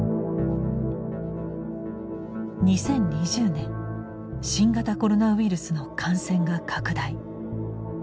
２０２０年新型コロナウイルスの感染が拡大。